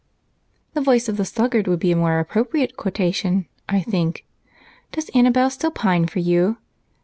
"The voice of the sluggard would be a more appropriate quotation, I think. Does Annabel still pine for you?"